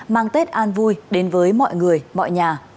mang tết an vui đến với mọi người mọi nhà